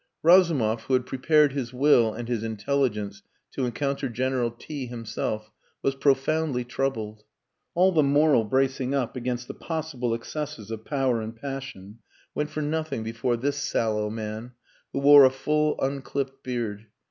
Razumov, who had prepared his will and his intelligence to encounter General T himself, was profoundly troubled. All the moral bracing up against the possible excesses of power and passion went for nothing before this sallow man, who wore a full unclipped beard.